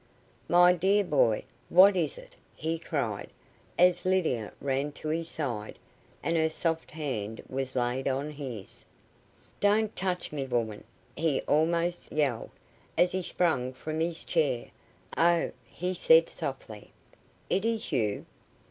"My dear boy! What is it?" he cried, as Lydia ran to his side, and her soft hand was laid or his. "Don't touch me, woman," he almost yelled, as he sprang from his chair. "Oh," he said, softly, "it is you?"